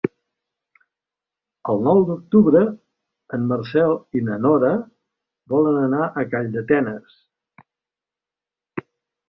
El nou d'octubre en Marcel i na Nora volen anar a Calldetenes.